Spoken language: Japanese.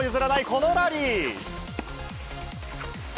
このラリー。